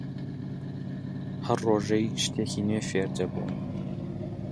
هەر ڕۆژەی شتێکی نوێ فێر دەبووم